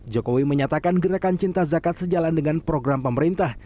jokowi menyatakan gerakan cinta zakat sejalan dengan program pemerintah